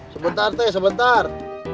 sebentar teh sebentar